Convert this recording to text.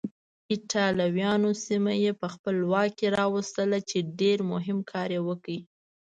ایټالویانو سیمه یې په خپل واک کې راوستله چې ډېر مهم کار یې وکړ.